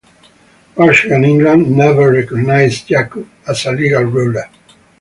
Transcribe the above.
Russia and England never recognized Yakub as a legal ruler.